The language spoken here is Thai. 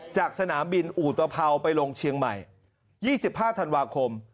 จากสนามบินอุตภัวไปลงเชียงใหม่๒๕ธันวาคม